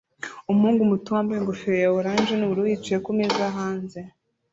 Umuhungu muto wambaye ingofero ya orange nubururu yicaye kumeza hanze